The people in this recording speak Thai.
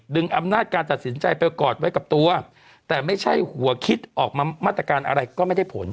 อำนาจการตัดสินใจไปกอดไว้กับตัวแต่ไม่ใช่หัวคิดออกมามาตรการอะไรก็ไม่ได้ผล